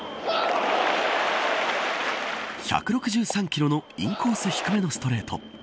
１６３キロのインコース低めのストレート。